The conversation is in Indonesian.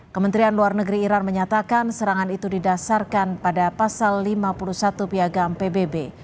kementerian luar negeri iran menyatakan serangan itu didasarkan pada pasal lima puluh satu piagam pbb